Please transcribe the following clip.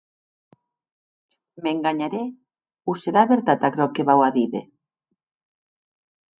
M’enganharè o serà vertat aquerò que vau a díder?